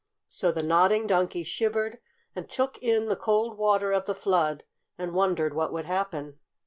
So the Nodding Donkey shivered and shook in the cold water of the flood, and wondered what would happen.